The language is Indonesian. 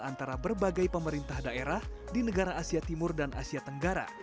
antara berbagai pemerintah daerah di negara asia timur dan asia tenggara